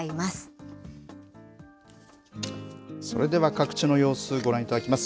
それでは各地の様子、ご覧いただきます。